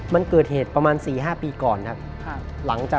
มันเกิดเหตุประมาณ๔๕ปีก่อนครับ